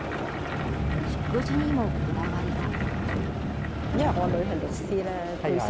食事にもこだわりが。